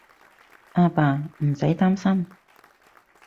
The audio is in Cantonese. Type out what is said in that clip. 阿爸，唔使擔心